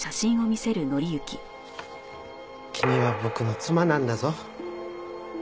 君は僕の妻なんだぞ。